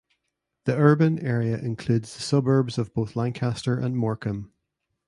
The urban area includes the suburbs of both Lancaster and Morecambe.